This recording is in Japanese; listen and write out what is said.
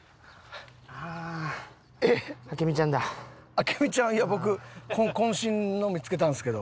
明美ちゃん？いや僕渾身の見付けたんですけど。